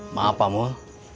maaf pak mul